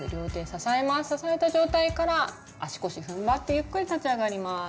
支えた状態から足腰ふんばってゆっくり立ち上がります。